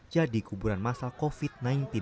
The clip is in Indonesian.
jadi kuburan masal covid sembilan belas